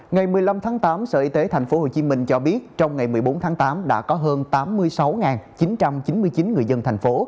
ngày một mươi năm tháng tám sở y tế tp hcm cho biết trong ngày một mươi bốn tháng tám đã có hơn tám mươi sáu chín trăm chín mươi chín người dân thành phố